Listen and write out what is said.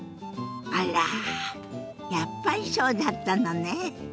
あらやっぱりそうだったのね。